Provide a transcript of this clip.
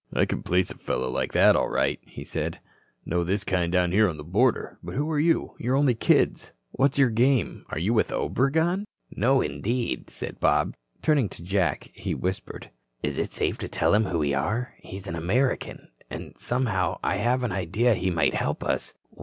"I can place a fellow like that, all right," he said. "Know this kind down here on the border. But who are you? You're only kids. What's your game? Are you with Obregon?" "No, indeed," said Bob. Turning to Jack, he whispered: "Is it safe to tell him who we are? He's an American. And, somehow, I have an idea he might help us."